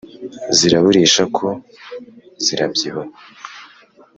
ziraburisha ko zirabyibuha